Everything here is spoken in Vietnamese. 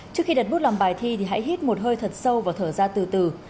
trước khi đặt bút làm bài thi thì hãy hít một hơi thật sâu và thở ra từ từ